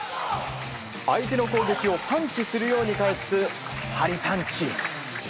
相手の攻撃をパンチするように返すハリパンチ。